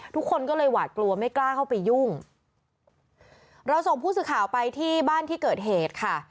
ทุกคนก็เลยหวาดกลัวไม่กล้าเข้าไปยุ่งเราส่งผู้สื่อข่าวไปที่บ้านที่เกิดเหตุค่ะ